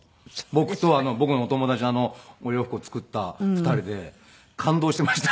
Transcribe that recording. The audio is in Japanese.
僕と僕のお友達のお洋服を作った２人で感動していました。